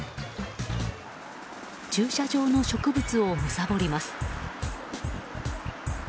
駐車場の植物をむさぼります。